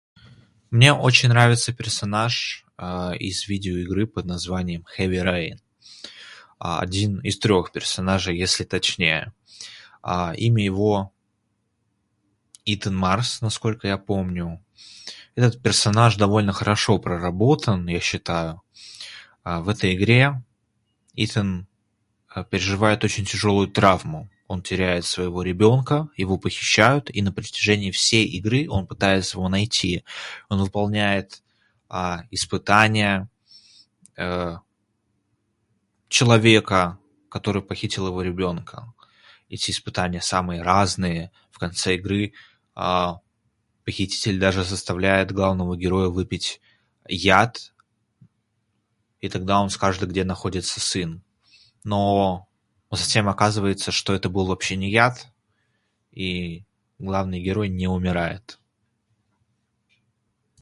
Мне очень нравится персонаж, а-а, из видеоигры под названием Heavy Rain. А, один из трёх персонажей, если точнее. А, имя его.. Итан Марс, насколько я помню. Этот персонаж довольно хорошо проработан, я считаю. А, в этой игре Итан, а, переживает очень тяжёлую травму. Он теряет своего ребёнка, его похищают и на протяжении всей игры он пытается его найти. Он выполняет, а, испытания, э-э, человека, который похитил его ребёнка. Эти испытания самые разные.. в конце игры, а-а, похититель даже заставляет главного героя выпить яд.. И тогда он скажет, где находится сын. Но затем оказывается, что это был вообще не яд, и главный герой не умирает.